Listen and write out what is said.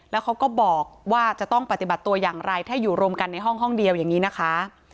แล้วเขาก็บอกว่าจะต้องปฏิบัติตัวอย่างไรถ้าอยู่รวมกันในห้องห้องเดียวอย่างนี้นะคะ